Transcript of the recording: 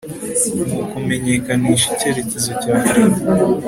mu kumenyekanisha icyerekezo cy afurika